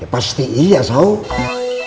ya pasti iya sahur